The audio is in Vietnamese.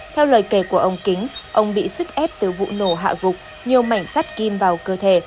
theo lời kể của ông kính ông bị sức ép từ vụ nổ hạ gục nhiều mảnh sắt kim vào cơ thể